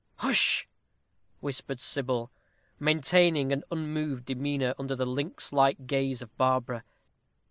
"Hush!" whispered Sybil, maintaining an unmoved demeanor under the lynx like gaze of Barbara.